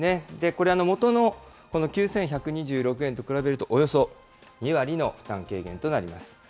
これ、元の９１２６円と比べると、およそ２割の負担軽減となります。